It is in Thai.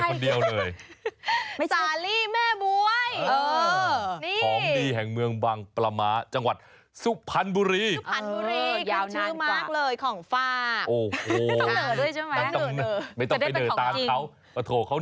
เขาเหนื่อน่ารักคุณนี่มันไปเหนื่อแซวเขา